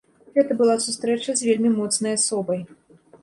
Гэта была сустрэча з вельмі моцнай асобай.